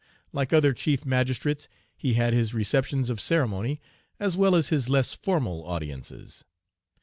Like other chief magistrates, he had his receptions of ceremony, as well as his less formal audiences.